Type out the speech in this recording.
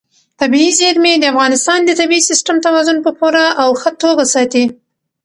طبیعي زیرمې د افغانستان د طبعي سیسټم توازن په پوره او ښه توګه ساتي.